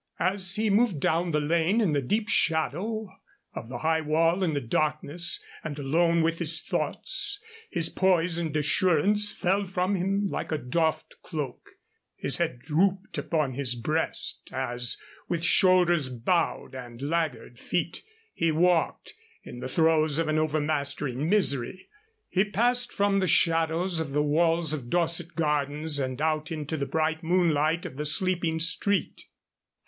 As he moved down the lane in the deep shadow of the high wall in the darkness and alone with his thoughts, his poise and assurance fell from him like a doffed cloak; his head drooped upon his breast, as with shoulders bowed and laggard feet he walked, in the throes of an overmastering misery. He passed from the shadows of the walls of Dorset Gardens and out into the bright moonlight of the sleeping street.